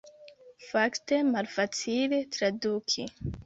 Fakte malfacile traduki.